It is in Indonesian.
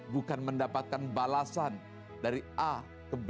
bukan mendapatkan balasan dari a ke b